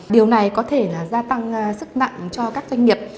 điều này có thể là gia tăng sức nặng cho các doanh nghiệp